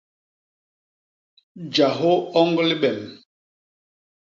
Jahô oñg libem.